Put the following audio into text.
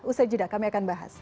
usai jeda kami akan bahas